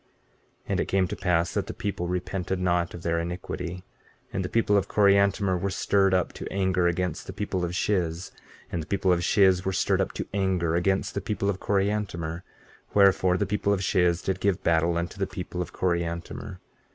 15:6 And it came to pass that the people repented not of their iniquity; and the people of Coriantumr were stirred up to anger against the people of Shiz; and the people of Shiz were stirred up to anger against the people of Coriantumr; wherefore, the people of Shiz did give battle unto the people of Coriantumr.